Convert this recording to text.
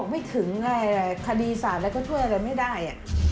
ให้ไปที่สมรรย์อายุทยาสมรรย์เนี่ย